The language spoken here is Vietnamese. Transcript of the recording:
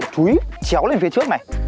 chúi chéo lên phía trước này